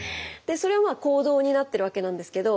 それはまあ行動になってるわけなんですけど。